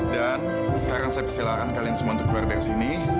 dan sekarang saya persilahkan kalian semua untuk keluar dari sini